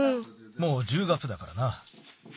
もう１０月だからな。